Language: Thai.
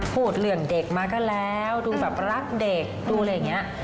พูดเรื่องเด็กมาก็แล้วดูแบบรักเด็กดูอะไรอย่างนี้